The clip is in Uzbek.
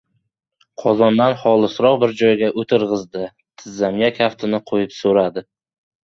Qozondan xolisroq bir joyga o‘tirg‘izdi. Tizzamga kaftini qo‘yib so‘radi: